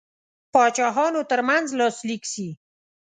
پاچاهانو ترمنځ لاسلیک سي.